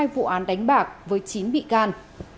hai vụ án đánh bạc với chín bị can